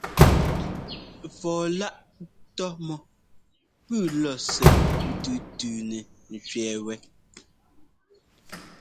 Fɔɔ-láꞌ tɔ́ mɔ́ pʉ́ʉ lɔ̌ɔsɛ́ ńtʉ́tʉ́nɛ ńtẅɛ́ɛ wɛ́.